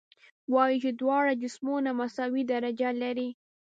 وایو چې دواړه جسمونه مساوي درجه لري.